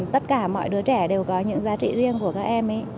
tất cả mọi đứa trẻ đều có những giá trị riêng của các em ấy